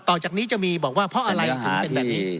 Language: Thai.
ต่อจากนี้จะมีบอกว่าเพราะอะไรถึงเป็นแบบนี้